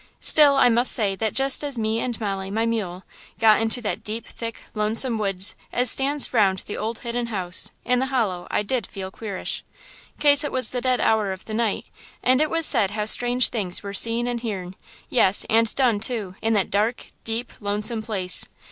Still I must say that jest as me and Molly, my mule, got into that deep, thick, lonesome woods as stands round the old Hidden House in the hollow I did feel queerish; 'case it was the dead hour of the night, and it was said how strange things were seen and hearn, yes, and done, too, in that dark, deep, lonesome place!